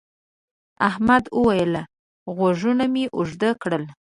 احمد وويل: غوږونه مې اوږده کړل.